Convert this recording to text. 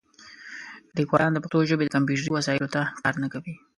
لیکوالان د پښتو ژبې د کمپیوټري وسایلو ته کار نه کوي.